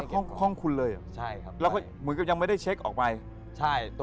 ห้องคุณเลยเหรอแล้วก็ยังไม่ได้เช็คออกไปใช่ครับ